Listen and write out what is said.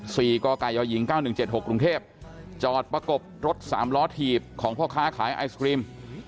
สี่กยยิง๙๑๗๖กรุงเทพจอดประกบรถสามล้อถีบของพ่อค้าขายไอศกรีม